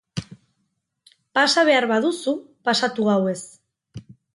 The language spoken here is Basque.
Pasa behar baduzu pasatu gauez...